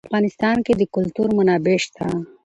په افغانستان کې د کلتور منابع شته.